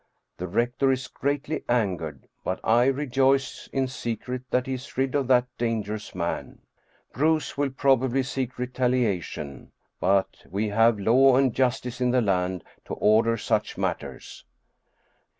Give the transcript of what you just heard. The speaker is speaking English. The rector is greatly angered, but I rejoice in secret that he is rid of that dangerous man. Bruus will probably seek retaliation, but we have law and justice in the land to order such matters.